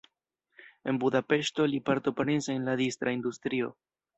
En Budapeŝto li partoprenis en la distra industrio.